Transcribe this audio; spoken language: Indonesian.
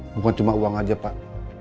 bukan cuma uang aja pak